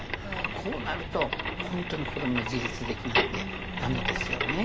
こうなると本当に子どもが自立できなくて駄目ですよね。